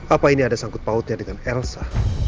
apa ini ada sangkut pautnya dengan elsa